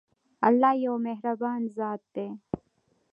الله يو مهربان ذات دی.